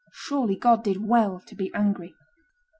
Surely, God did well to be angry."